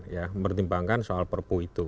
ya mempertimbangkan soal perpu itu